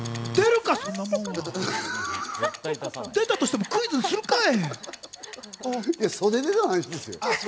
出たとしてもクイズにするかい。